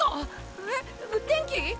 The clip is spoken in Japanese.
えっ天気？